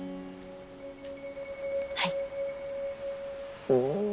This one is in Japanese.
はい。